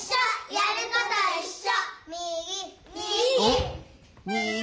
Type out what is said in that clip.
やることいっしょ！